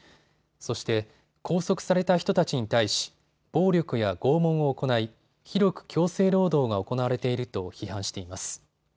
そして拘束された人たちに対し、暴力や拷問を行い広く強制労働が行われていると批判しています。